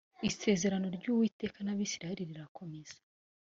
isezerano ry uwiteka n abisirayeli rirakomezwa